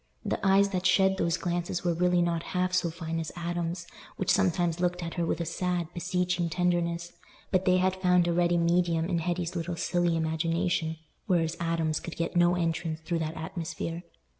The eyes that shed those glances were really not half so fine as Adam's, which sometimes looked at her with a sad, beseeching tenderness, but they had found a ready medium in Hetty's little silly imagination, whereas Adam's could get no entrance through that atmosphere.